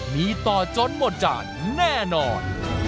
มีต่อจรตร์หมดจาร์แน่นอน